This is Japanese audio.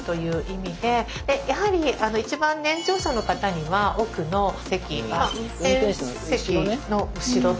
でやはり一番年長者の方には奥の席。